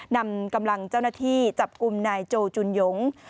นำกำลังเจ้าหน้าที่จับกลุ่มนายโจจุนหยง